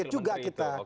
kaget juga kita